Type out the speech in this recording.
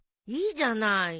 いいじゃない。